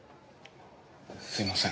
すいません。